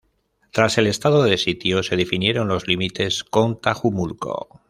Tras el Estado de Sitio se definieron los límites con Tajumulco.